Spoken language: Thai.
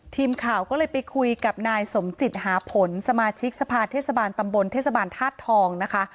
ทีมข่าวก็เลยไปคุยกับนายสมจิตหาผลสมาชิกสภาเทศบาลตำบลเทศบาลธาตุทองนะคะ